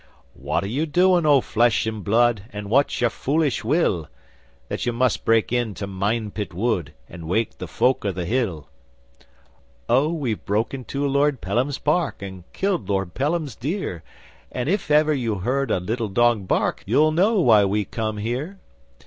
'What are you doing, O Flesh and Blood, And what's your foolish will, That you must break into Minepit Wood And wake the Folk of the Hill?' 'Oh, we've broke into Lord Pelham's park, And killed Lord Pelham's deer, And if ever you heard a little dog bark You'll know why we come here!